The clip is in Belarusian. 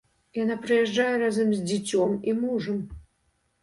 Яна прыязджае разам з дзіцём і мужам.